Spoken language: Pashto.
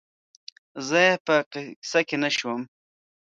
زه یې په قصه کې نه شوم